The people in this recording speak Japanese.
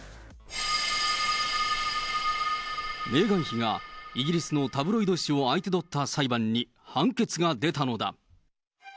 メーガン妃がイギリスのタブロイド紙を相手取った裁判に判決が出たのだ。